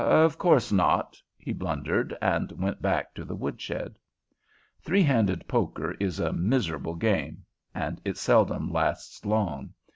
Of course not!" he blundered, and went back to the woodshed. Three handed poker is a miserable game, and it seldom lasts long.